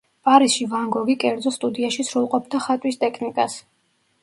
პარიზში ვან გოგი კერძო სტუდიაში სრულყოფდა ხატვის ტექნიკას.